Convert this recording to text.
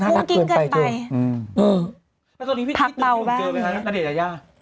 น่ารักเกินไปมุ้งกิ้งเกินไป